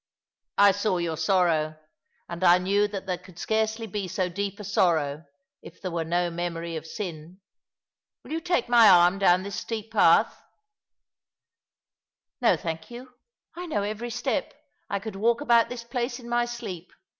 "I saw your sorrow; and I knew that there could scarcely be so deep a sorrow if there were no memory of sin. "Will you take my arm down this steep path V "" No, thank you. I know every step. I could walk about this place in my sleep.